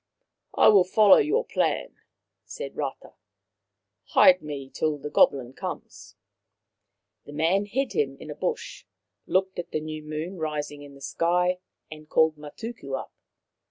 " I will follow your plan," said Rata. " Hide me till the goblin comes." The man hid him in a bush, looked at the new moon rising in the sky, and called Matuku up.